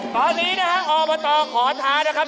สวัสดีนะครับโอโบตอขอท้านะครับ